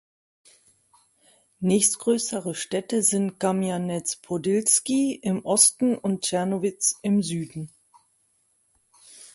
Nächstgrößere Städte sind Kamjanez-Podilskyj im Osten und Czernowitz im Süden.